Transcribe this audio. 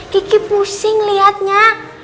kiki pusing liatnya